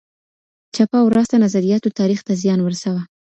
چپه او راسته نظریاتو تاریخ ته زیان ورساوه.